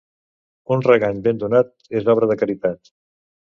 Un regany ben donat és obra de caritat.